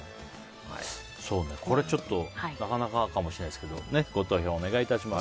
これちょっとなかなかかもしれないですけどご投票お願いします。